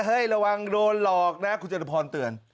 เฮ้ยระวังโดนหลอกนะคุณจันทร์พรเตือน